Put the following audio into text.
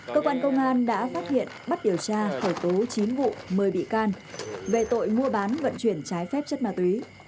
cơ quan công an đã phát hiện bắt điều tra khởi tố chín vụ một mươi bị can về tội mua bán vận chuyển trái phép chất ma túy